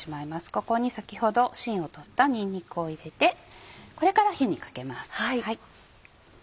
ここに先ほどしんを取ったにんにくを入れてこれから火にかけます。